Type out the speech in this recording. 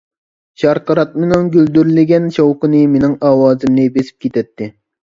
شارقىراتمىنىڭ گۈلدۈرلىگەن شاۋقۇنى مېنىڭ ئاۋازىمنى بېسىپ كېتەتتى.